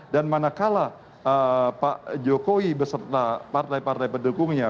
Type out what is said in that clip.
dan mana kalah pak jokowi beserta partai partai pendukungnya